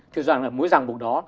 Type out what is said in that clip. thì mối giảng bục đó